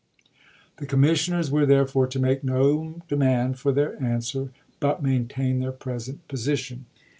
The commissioners were, ApriMs.1861' therefore, to make no demand for their answer, but maintain their present position.